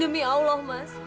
demi allah mas